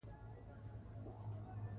افغانستان کې کندهار د خلکو د خوښې وړ ځای دی.